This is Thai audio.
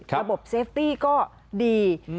ระบบเซฟตี้ก็ดี